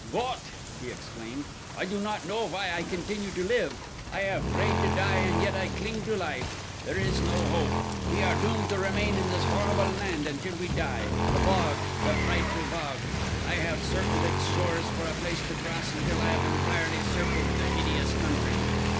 "Gott!" he exclaimed. "I do not know why I continue to live. I have prayed to die and yet I cling to life. There is no hope. We are doomed to remain in this horrible land until we die. The bog! The frightful bog! I have searched its shores for a place to cross until I have entirely circled the hideous country.